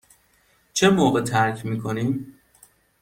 چه موقع ترک می کنیم؟